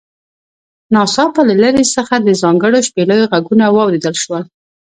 ناڅاپه له لرې څخه د ځانګړو شپېلیو غږونه واوریدل شول